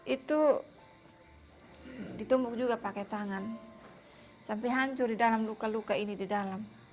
itu ditumbuk juga pakai tangan sampai hancur di dalam luka luka ini di dalam